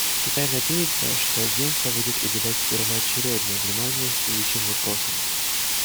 Китай надеется, что Агентство будет уделять первоочередное внимание следующим вопросам.